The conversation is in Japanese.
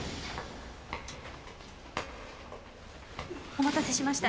お待たせしました。